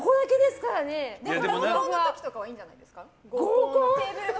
合コンの時とかはいいんじゃないですか。